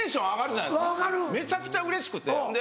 めちゃくちゃうれしくて。